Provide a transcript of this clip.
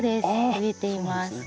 植えています。